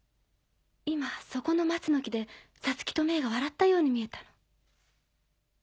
今そこの松の木でサツキとメイが笑ったように見えたの。